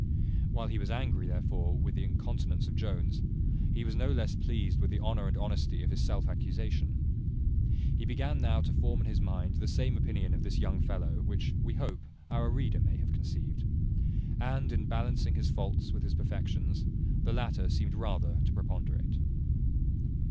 While he was angry therefore with the incontinence of Jones, he was no less pleased with the honour and honesty of his self accusation. He began now to form in his mind the same opinion of this young fellow, which, we hope, our reader may have conceived. And in balancing his faults with his perfections, the latter seemed rather to preponderate.